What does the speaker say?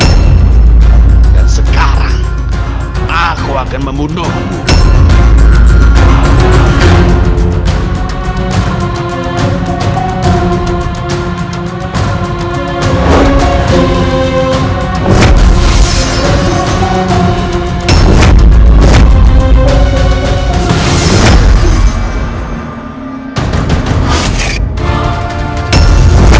sehinggain exception schedules nya kalian tidak bisa menutup kota besok